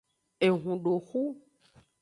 Ehundoxu.